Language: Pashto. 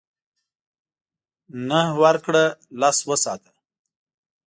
نهه ورکړه لس وساته .